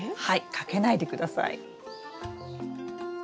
はいかけないで下さい。